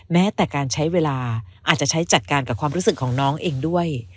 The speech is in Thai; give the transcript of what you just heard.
แม้แต่การใช้เวลาอาจจะใช้จัดการกับความรู้สึกของน้องเองด้วย